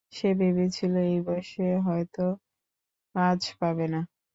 সে ভেবেছিল এই বয়সে হয়তো কাজ পাবে না।